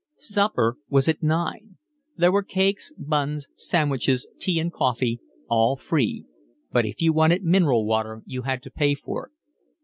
Supper was at nine. There were cakes, buns, sandwiches, tea and coffee, all free; but if you wanted mineral water you had to pay for it.